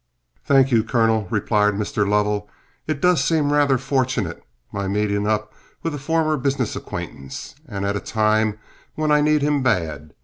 "Thank you, Colonel," replied Mr. Lovell. "It does seem rather fortunate, my meeting up with a former business acquaintance, and at a time when I need him bad.